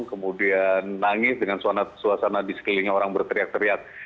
kemudian nangis dengan suasana di sekelilingnya orang berteriak teriak